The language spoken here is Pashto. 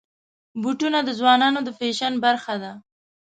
بوټونه د ځوانانو د فیشن برخه ده.